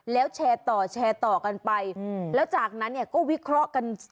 แล้วแชร์ต่อแชร์ต่อกันไปแล้วจากนั้นเนี่ยก็วิเคราะห์กัน